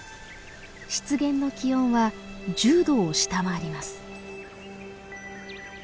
湿原の気温は１０度を下回ります。